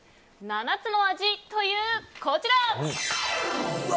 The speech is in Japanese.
７つの味という、こちら！